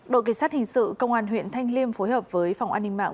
đội kỳ sát hình sự công an huyện thanh liêm phối hợp với phòng an ninh mạng